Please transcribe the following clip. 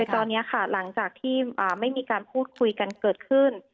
ตอนนี้ค่ะหลังจากที่ไม่มีการพูดคุยกันเกิดขึ้น